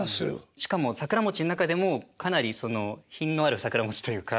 しかも桜餅の中でもかなりその品のある桜餅というか。